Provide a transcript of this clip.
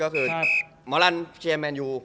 หมอรันเชียร์แมนยู